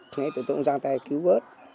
thì tôi cũng giang tay cứu vớt